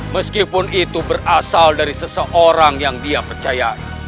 meskipun itu berasal dari seseorang yang dia percaya